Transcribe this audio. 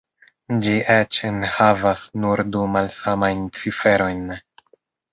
Ĝi eĉ enhavas nur du malsamajn ciferojn.